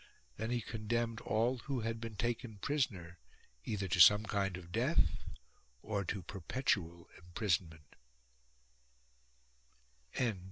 Then he condemned all who had been taken prisoner either to some kind of death or to perpetual imprisonment.